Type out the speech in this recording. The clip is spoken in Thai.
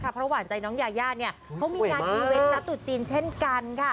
เพราะว่าหวานใจน้องยาเนี่ยเขามีการอีเวสลับตุดตีนเช่นกันค่ะ